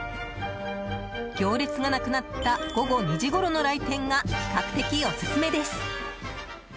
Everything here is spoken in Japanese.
行列がなくなった午後２時ごろの来店が、比較的オススメです。